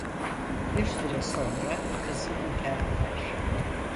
Bir süre sonra kızı intihar eder.